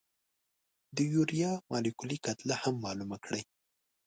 د یوریا مالیکولي کتله هم معلومه کړئ.